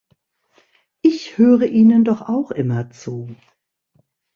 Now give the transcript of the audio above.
Ich höre Ihnen doch auch immer zu!